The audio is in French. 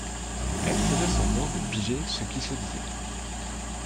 Elle faisait semblant de piger ce qui se disait